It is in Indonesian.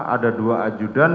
ada dua ajudan